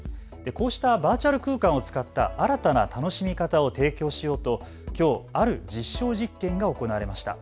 こうしたバーチャル空間を使った新たな楽しみ方を提供しようときょうある実証実験が行われました。